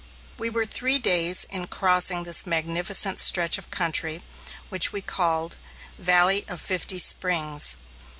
We were three days in crossing this magnificent stretch of country, which we called, "Valley of Fifty Springs."